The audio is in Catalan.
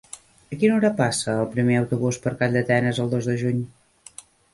A quina hora passa el primer autobús per Calldetenes el dos de juny?